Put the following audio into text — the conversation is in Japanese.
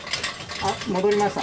あっ、戻りました。